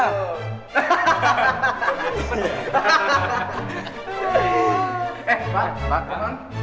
eh pak pak pak